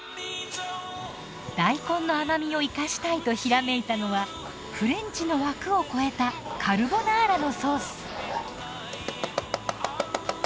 大根の甘みを生かしたいとひらめいたのはフレンチの枠を超えたカルボナーラのソース。